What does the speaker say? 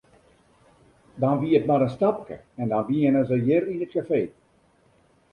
Dan wie it mar in stapke en dan wienen se hjir yn it kafee.